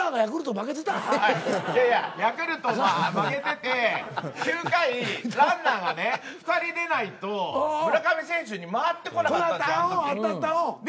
いやいやヤクルトが負けてて９回ランナーが２人出ないと村上選手に回ってこなかったんです